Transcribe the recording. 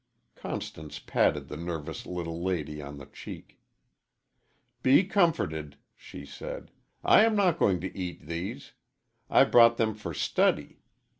Constance patted the nervous little lady on the cheek. "Be comforted," she said. "I am not going to eat these. I brought them for study.